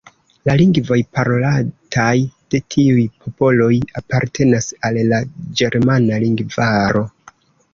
La lingvoj parolataj de tiuj popoloj apartenas al la ĝermana lingvaro.